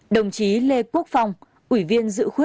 ba mươi bảy đồng chí lê quốc phong ủy viên dự khuết